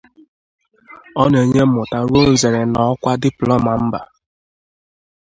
Ọ na-enye mmụta ruo nzere na ọkwa diplọma mba.